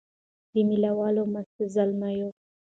د مېله والو مستو زلمیو